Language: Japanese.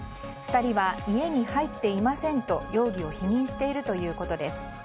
２人は家に入っていませんと容疑を否認しているということです。